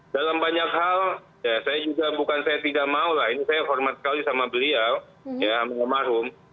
dalam banyak hal ya saya juga bukan saya tidak mau lah ini saya hormat sekali sama beliau ya sama almarhum